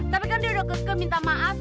tapi kan dia udah keke minta maaf